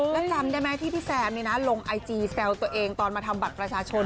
แล้วจำได้ไหมที่พี่แซมลงไอจีแซวตัวเองตอนมาทำบัตรประชาชน